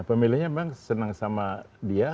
pemilihnya memang senang sama dia